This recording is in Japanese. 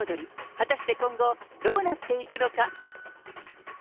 果たして今後、どうなっていくのか。